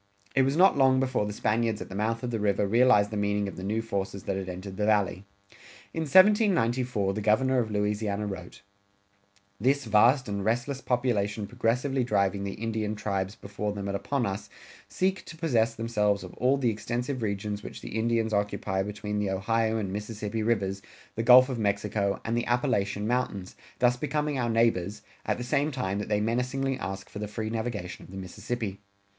It was not long before the Spaniards at the mouth of the river realized the meaning of the new forces that had entered the Valley. In 1794 the Governor of Louisiana wrote: This vast and restless population progressively driving the Indian tribes before them and upon us, seek to possess themselves of all the extensive regions which the Indians occupy between the Ohio and Mississippi rivers, the Gulf of Mexico, and the Appalachian Mountains, thus becoming our neighbors, at the same time that they menacingly ask for the free navigation of the Mississippi.